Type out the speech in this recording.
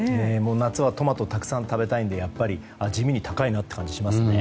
夏はトマトをたくさん食べたいのでやっぱり地味に高いなっていう感じがしますね。